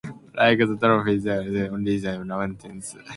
Like the dolmens, they are only found in mountains.